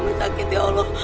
menyakit ya allah